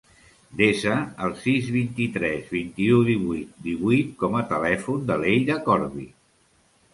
Desa el sis, vint-i-tres, vint-i-u, divuit, divuit com a telèfon de l'Eira Corbi.